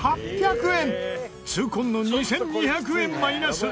痛恨の２２００円マイナス。